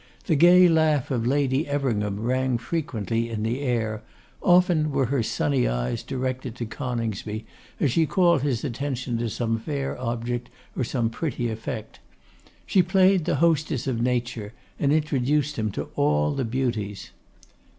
The gay laugh of Lady Everingham rang frequently in the air; often were her sunny eyes directed to Coningsby, as she called his attention to some fair object or some pretty effect. She played the hostess of Nature, and introduced him to all the beauties.